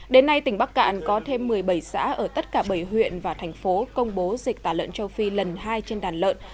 đến nay tỉnh bắc cạn có thêm một mươi bảy xã ở tất cả bảy huyện và thành phố công bố dịch tả lợn châu phi lần hai trên đàn lợn